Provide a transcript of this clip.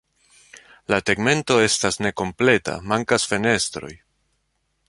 La tegmento estas nekompleta, mankas fenestroj.